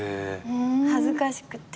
恥ずかしくて。